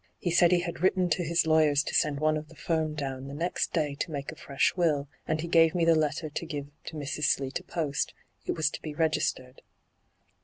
He said he had written to his lawyers to send one of the firm down hyGoo^lc ENTRAPPED 73 the next day to make a fresh will, and he gave me the letter to give to Mrs. Slee to post. It was to he registered.'